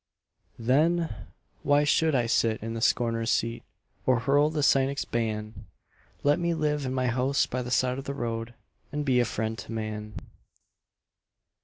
Then why should I sit in the scorner's seat, Or hurl the cynic's ban? Let me live in my house by the side of the road And be a friend to man.